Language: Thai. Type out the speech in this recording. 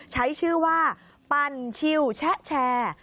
ใช้ชื่อว่าปั่นชิวแชะแชร์